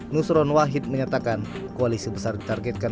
nusron wahid menyatakan koalisi besar ditargetkan